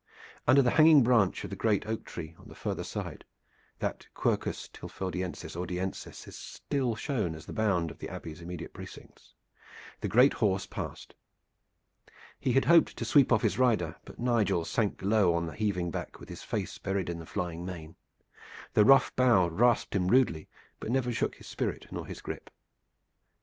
Under the hanging branch of the great oak tree on the farther side (that Quercus Tilfordiensis ordiensis is still shown as the bound of the Abby's immediate precincts) the great horse passed. He had hoped to sweep off his rider, but Nigel sank low on the heaving back with his face buried in the flying mane. The rough bough rasped him rudely, but never shook his spirit nor his grip.